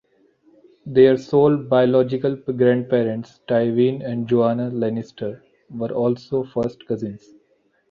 Their sole biological grandparents, Tywin and Joanna Lannister, were also first cousins.